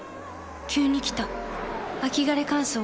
急に来た秋枯れ乾燥。